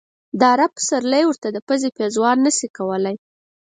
د عرب پسرلی ورته د پزې پېزوان نه شي کولای.